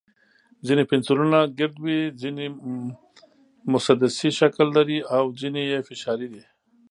ځینې پنسلونه ګرد وي، ځینې مسدسي شکل لري، او ځینې یې فشاري دي.